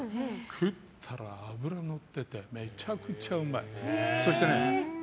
食ったら、脂がのっててめちゃくちゃうまい。